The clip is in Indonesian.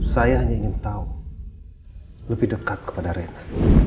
saya hanya ingin tahu lebih dekat kepada rena